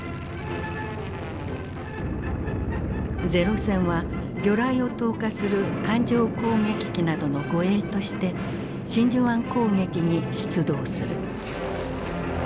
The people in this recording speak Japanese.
零戦は魚雷を投下する艦上攻撃機などの護衛として真珠湾攻撃に出動する。